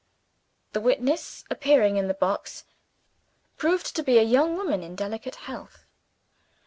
The witness, appearing in the box, proved to be a young woman, in delicate health.